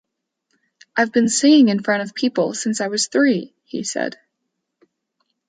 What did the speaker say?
"I've been singing in front of people since I was three," he said.